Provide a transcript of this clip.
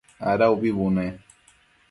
Ada ubi bune?